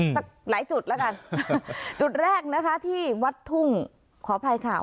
สักหลายจุดแล้วกันจุดแรกนะคะที่วัดทุ่งขออภัยค่ะ